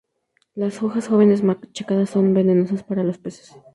Las hojas jóvenes, machacadas, son venenosas para los peces.